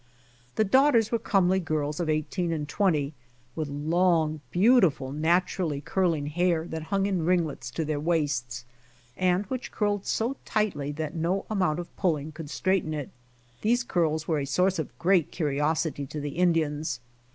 The daughters were comely girls of eighteen and twenty with long, beautiful, naturally curling hair that hung In ringlets to their waists, and which curled so tightly that no amount of pulling could straighten it. These curls were a source of great curiosity to the Indians.